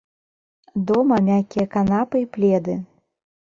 Дома мяккія канапы і пледы.